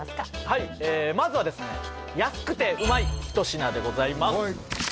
はいまずはですね安くてうまい一品でございます